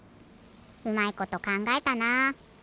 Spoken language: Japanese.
うまいことかんがえたな。